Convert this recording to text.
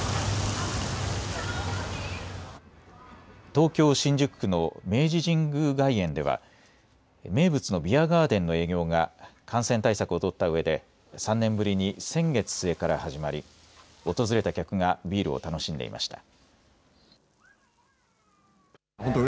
東京新宿区の明治神宮外苑では名物のビアガーデンの営業が感染対策を取ったうえで３年ぶりに先月末から始まり訪れた客がビールを楽しんでいました。